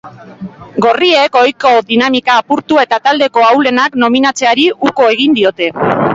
Gorriek ohiko dinamika apurtu eta taldeko ahulenak nominatzeari uko egin diote.